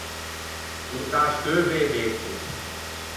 Portâ à scheuve e bestie.